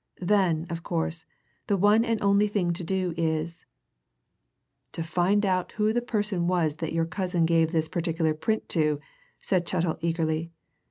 Then, of course, the one and only thing to do is " "To find out who the person was that your cousin gave this particular print to!" said Chettle eagerly.